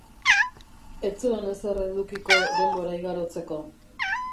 Ez zuen ezer edukiko denbora igarotzeko.